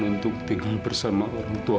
untuk tinggal bersama orang tua